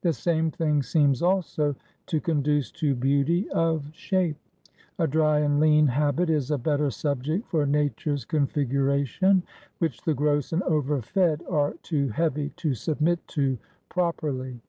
The same thing seems, also, to conduce to beauty of shape; a dry and lean habit is a better subject for nature's configuration, which the gross and overfed are too heavy to submit to properly.